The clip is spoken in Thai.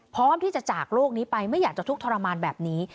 พร้อมที่จะจากโลกนี้ไปไม่อยากจะทุกข์ทรมานแบบนี้